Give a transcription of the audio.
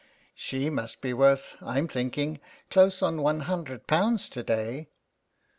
''She must be worth, I'm thinking, close on one hundred pounds to day."